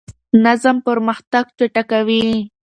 نظم پرمختګ چټکوي.